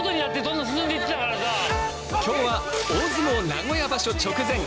今日は大相撲名古屋場所直前！